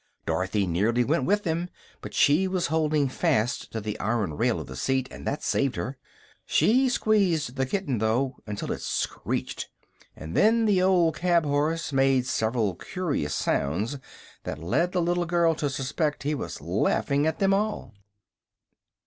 Dorothy nearly went with them, but she was holding fast to the iron rail of the seat, and that saved her. She squeezed the kitten, though, until it screeched; and then the old cab horse made several curious sounds that led the little girl to suspect he was laughing at them all.